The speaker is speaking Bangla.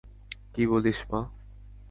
কী বলিস মা?